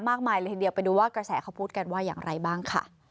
มากมายว่ากระแสพูดกันว่าอย่างไรบ้าง